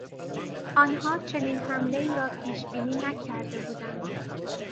آنها چنین حملهای را پیشبینی نکرده بودند.